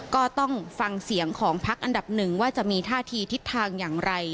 ก็ต้องฟังเสียงของพักอันดับหนึ่งว่าจะมีท่าทีทิศทางอย่างไร